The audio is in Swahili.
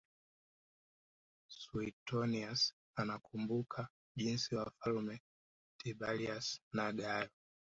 Suetonius anakumbuka jinsi Wafalme Tiberius na Gayo